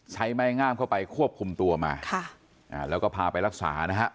ใช้ไม้ง่ามเข้าไปควบคุมตัวมาแล้วก็พาไปรักษานะครับ